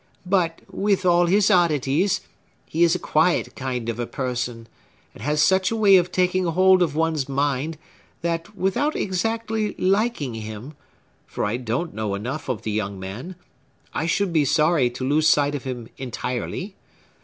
But, with all his oddities, he is a quiet kind of a person, and has such a way of taking hold of one's mind, that, without exactly liking him (for I don't know enough of the young man), I should be sorry to lose sight of him entirely.